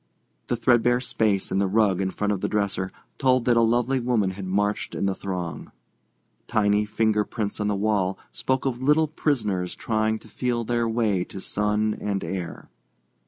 The threadbare space in the rug in front of the dresser told that lovely woman had marched in the throng. Tiny finger prints on the wall spoke of little prisoners trying to feel their way to sun and air.